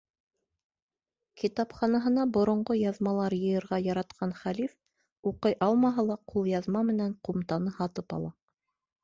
Китапханаһына боронғо яҙмалар йыйырға яратҡан хәлиф, уҡый алмаһа ла, ҡулъяҙма менән ҡумтаны һатып ала.